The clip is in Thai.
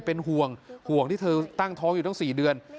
เป็นห่วงห่วงที่เธอตั้งท้องอยู่ตั้ง๔เดือน